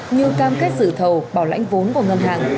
như cam kết giữ thầu bảo lãnh vốn của ngân hàng